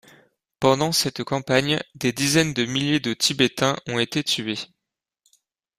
Pendant cette campagne, des dizaines de milliers de Tibétains ont été tués.